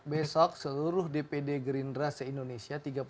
insya allah besok seluruh dpd gerindra se indonesia